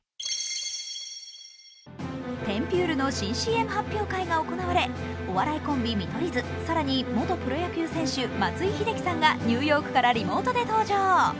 テンピュールの新ＣＭ発表会が行われ、お笑いコンビ・見取り図、更に元プロ野球選手松井秀喜さんがニューヨークからリモートで登場。